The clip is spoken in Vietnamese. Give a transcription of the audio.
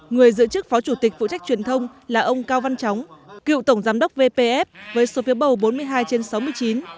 người giữ chức phó chủ tịch phụ trách truyền thông là ông cao văn chóng cựu tổng giám đốc vpf với số phiếu bầu bốn mươi hai trên sáu mươi chín